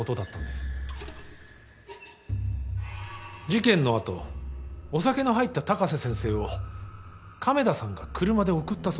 事件の後お酒の入った高瀬先生を亀田さんが車で送ったそうです。